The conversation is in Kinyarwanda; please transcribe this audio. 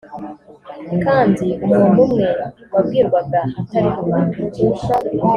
kandi umuntu umwe wabwirwaga atari rubanda